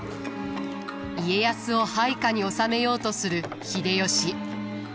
家康を配下に収めようとする秀吉。